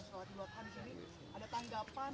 setelah bung karno saung sembilan belas lima bulan